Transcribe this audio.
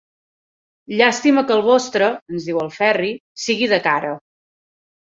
Llàstima que el vostre –ens diu el Ferri– sigui de cara.